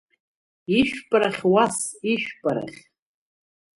Ишәпарахь уас, ишәпарахь!